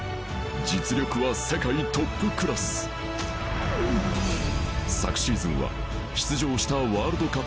実力は世界トップクラス昨シーズンは出場したワールドカップで